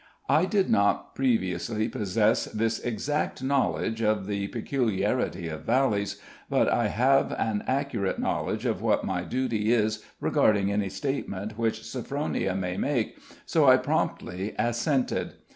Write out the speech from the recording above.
I did not previously possess this exact knowledge of the peculiarity of valleys, but I have an accurate knowledge of what my duty is regarding any statement which Sophronia may make, so I promptly assented.